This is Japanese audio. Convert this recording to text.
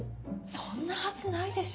そんなはずないでしょ。